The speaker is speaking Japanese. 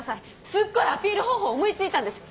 すっごいアピール方法を思い付いたんです！